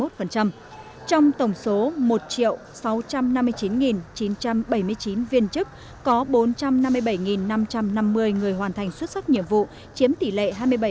trong tổng số một sáu trăm năm mươi chín chín trăm bảy mươi chín viên chức có bốn trăm năm mươi bảy năm trăm năm mươi người hoàn thành xuất sắc nhiệm vụ chiếm tỷ lệ hai mươi bảy